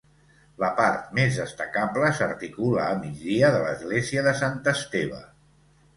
La part més destacable s'articula a migdia de l'església de Sant Esteve.